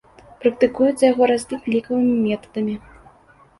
Практыкуецца яго разлік лікавымі метадамі.